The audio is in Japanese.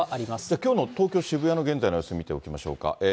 きょうの東京・渋谷の現在の様子見ておきましょうか。